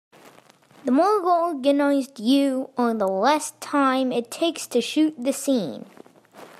The more organized you are the less time it takes to shoot the scene.